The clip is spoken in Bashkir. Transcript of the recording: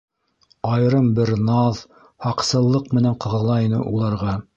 Айырым бер наҙ, һаҡсыллыҡ менән ҡағыла ине уларға.